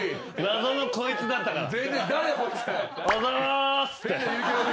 謎のこいつだったから。